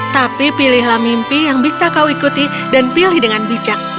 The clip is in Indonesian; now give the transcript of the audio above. tapi pilihlah mimpi yang bisa kau ikuti dan pilih dengan bijak